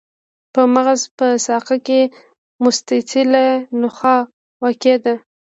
په مغز په ساقه کې مستطیله نخاع واقع ده.